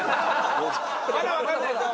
まだわかんないですよ！